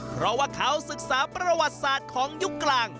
เพราะว่าเขาศึกษาประวัติศาสตร์ของยุคกลาง